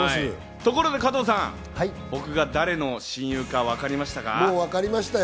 ところで加藤さん、僕が誰のもうわかりましたよ。